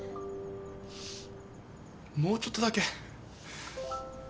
もうちょっとだけ。